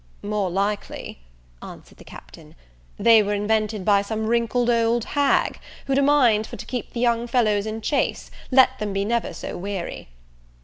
"More likely," answered the Captain, "they were invented by some wrinkled old hag, who'd a mind for to keep the young fellows in chace, let them be never so weary."